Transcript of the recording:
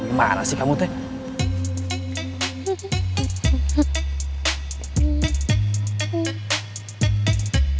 gimana sih kamu teh